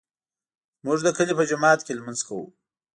موږ د کلي په جومات کې لمونځ کوو